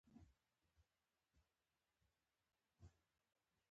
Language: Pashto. سپین ږیری یې ډز به درنه خطا شوی وي.